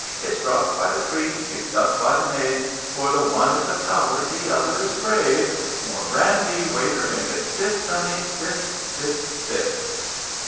It's dropped by the priest, picked up by the knave, For the one is a coward, the other is brave. More brandy, waiter; make it stiff, sonny! stiff! stiff! stiff!'